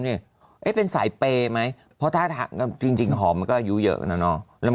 เลยเป็นสายเปรย์ไหมพอถ้าถามจริงหอมมีอายุเยอะนะเนาะ